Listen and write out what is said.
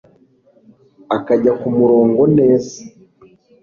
akajya ku murongo neza